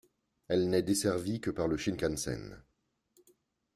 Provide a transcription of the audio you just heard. Elle n'est desservie que par le Shinkansen.